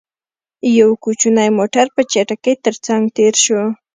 يو کوچينی موټر، په چټکۍ تر څنګ تېر شو.